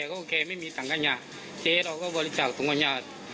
เพราะแกไม่มีตังกัญญาเจ๊เราก็บริจาคตุ๋งกัญญา